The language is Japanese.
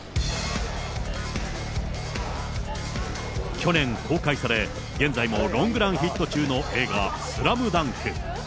去年、公開され、現在もロングランヒット中の映画、スラムダンク。